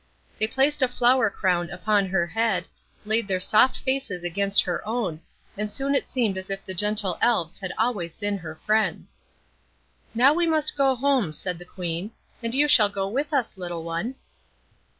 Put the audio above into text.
They placed a flower crown upon her head, laid their soft faces against her own, and soon it seemed as if the gentle Elves had always been her friends. "Now must we go home," said the Queen, "and you shall go with us, little one."